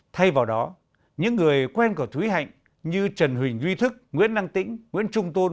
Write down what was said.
thay vào đó những người quen của thúy hạnh như trần huỳnh duy thức nguyễn năng tĩnh nguyễn trung tôn